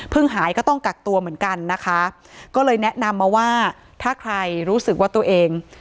หายก็ต้องกักตัวเหมือนกันนะคะก็เลยแนะนำมาว่าถ้าใครรู้สึกว่าตัวเอง